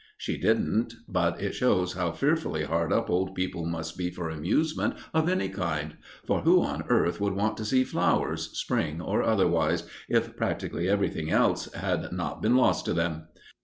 She didn't; but it shows how fearfully hard up old people must be for amusement of any kind; for who on earth would want to see flowers, spring or otherwise, if practically everything else had not been lost to them?